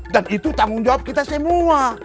dan itu tanggung jawab kita semua